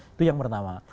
itu yang pertama